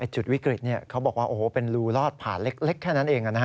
จุดวิกฤตเขาบอกว่าโอ้โหเป็นรูลอดผ่านเล็กแค่นั้นเอง